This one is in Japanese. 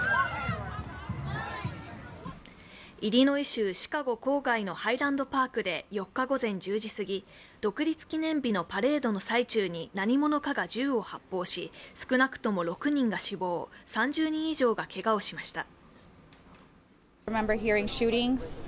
イリノイ州シカゴ郊外のハイランドパークで４日午前１０時すぎ、独立記念日のパレードの最中に何者かが銃を発砲し少なくとも６人が死亡３０人以上がけがをしました。